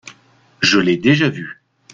Je l’ai déjà vu.